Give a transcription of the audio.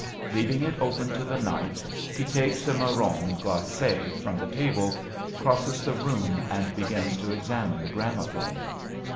Leaving it open to the night, he takes a marron glace frotn the table, crosses the room, and begins to examine the gramophone.